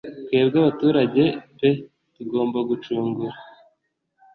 Twebwe abaturage pe tugomba gucungura